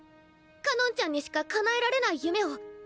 かのんちゃんにしか叶えられない夢を。